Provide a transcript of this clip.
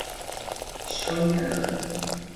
اشکالی ندارد.